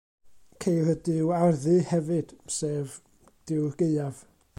Ceir y Duw Arddu, hefyd, sef Duw'r Gaeaf.